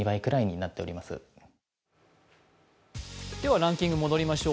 ランキング戻りましょう。